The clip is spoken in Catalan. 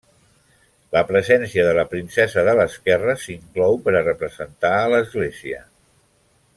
La presència de la princesa de l'esquerra s'inclou per a representar a l'Església.